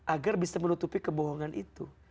agar bisa menutupi kebohongan itu